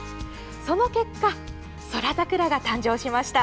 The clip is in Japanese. その結果、宇宙桜が誕生しました。